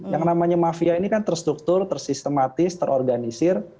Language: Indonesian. yang namanya mafia ini kan terstruktur tersistematis terorganisir